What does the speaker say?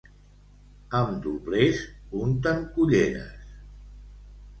Amb doblers unten culleres...